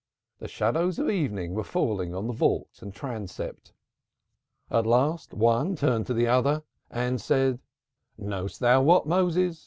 The shadows of evening were falling on vault and transept. At last one turned to the other and said, 'Knowest them what, Moses?